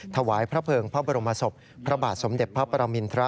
ถวายพระเภิงพระบรมศพพระบาทสมเด็จพระปรมินทร